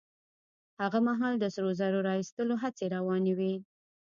هغه مهال د سرو زرو را ايستلو هڅې روانې وې.